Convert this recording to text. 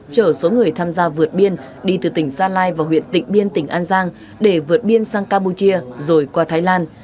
chở số người tham gia vượt biên đi từ tỉnh gia lai vào huyện tỉnh biên tỉnh an giang để vượt biên sang campuchia rồi qua thái lan